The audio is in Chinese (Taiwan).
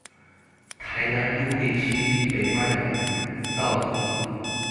臺南都會區北外環道路